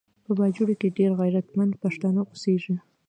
په باجوړ کې ډیر غیرتمند پښتانه اوسیږي